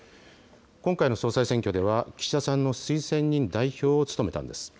今回の総裁選挙では、岸田さんの推薦人代表を務めたんです。